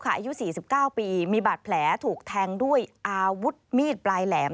อายุ๔๙ปีมีบาดแผลถูกแทงด้วยอาวุธมีดปลายแหลม